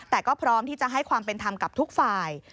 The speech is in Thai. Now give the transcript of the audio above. แต่ก็พร้อมที่จะให้ความเป็นธรรมกับทุกฝ่าย